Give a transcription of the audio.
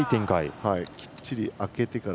きっちり空けてから。